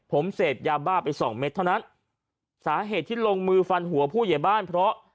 ผมเสพยาบ้าไปสองเม็ดเท่านั้นสาเหตุที่ลงมือฟันหัวผู้ใหญ่บ้านเพราะ